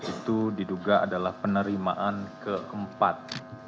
itu diduga adalah penerimaan keempat